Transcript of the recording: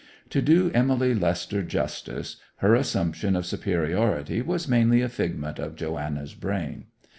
To do Emily Lester justice, her assumption of superiority was mainly a figment of Joanna's brain.